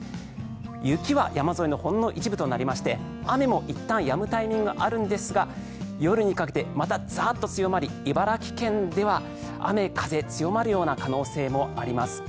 雪は山沿いのほんの一部となりまして雨もいったんやむタイミングがあるんですが夜にかけてまたザッと強まり茨城県では雨風強まるような可能性もあります。